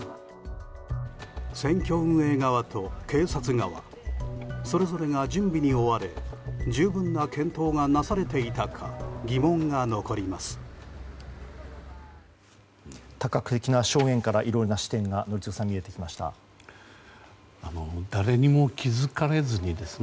選挙運営側と警察側それぞれが準備に追われ十分な検討がなされていたか疑問が残ります。